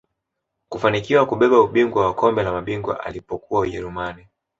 kufanikiwa kubeba ubingwa wa kombe la mabingwa alipokuwa ujerumani